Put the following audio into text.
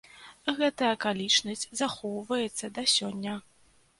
Гэтая акалічнасць захоўваецца да сёння.